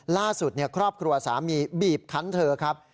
ล่าสุดครอบครัวสามีบีบคันเธอครับ